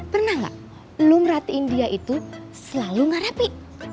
pernah gak lo merhatiin dia itu selalu gak rapi